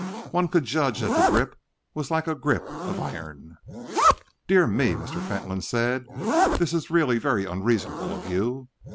One could judge that the grip was like a grip of iron. "Dear me," Mr. Fentolin said, "this is really very unreasonable of you!